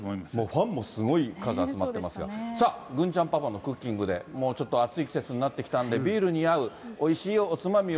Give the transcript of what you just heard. ファンもすごい数集まってますが、さあ、郡ちゃんパパのクッキングで、もうちょっと暑い季節になってきたんで、ビールに合うおいしいおつまみ